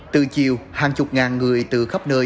từ chiều hàng chục ngàn người từ khắp nước